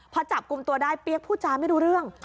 พอจับกลุ่มตัวได้เปี๊ยกพูดจาไม่รู้เรื่อง